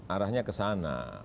arahnya ke sana